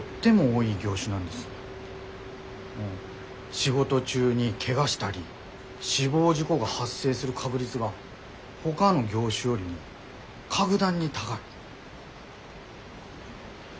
仕事中にけがしたり死亡事故が発生する確率がほがの業種よりも格段に高い。